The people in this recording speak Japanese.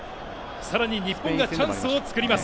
更に日本がチャンスを作ります。